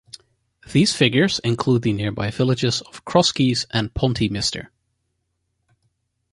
These figures include the nearby villages of Crosskeys and Pontymister.